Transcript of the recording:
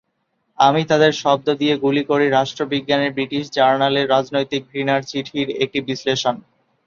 আমি তাদের শব্দ দিয়ে গুলি করি রাষ্ট্রবিজ্ঞানের ব্রিটিশ জার্নালে রাজনৈতিক ঘৃণার চিঠির একটি বিশ্লেষণ।